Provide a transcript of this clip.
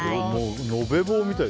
延べ棒みたい。